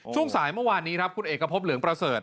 ช่วงสายเมื่อวานนี้ครับคุณเอกพบเหลืองประเสริฐ